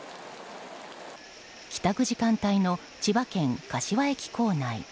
帰宅時間帯の千葉県、柏駅構内。